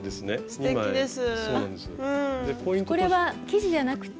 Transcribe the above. すてきです。